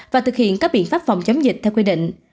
và thực hiện các biện pháp phòng chống dịch theo quy định